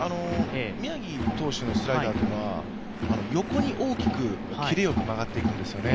宮城投手のスライダーというのは横に大きくきれよく曲がっていくんですよね。